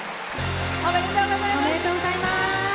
おめでとうございます。